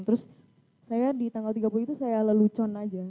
terus saya di tanggal tiga puluh itu saya lelucon aja